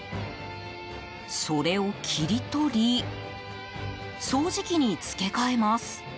それを切り取り掃除機に付け替えます。